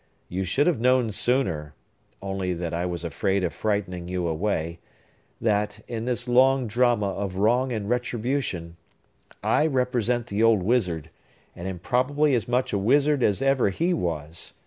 You should have known sooner (only that I was afraid of frightening you away) that, in this long drama of wrong and retribution, I represent the old wizard, and am probably as much a wizard as ever he was.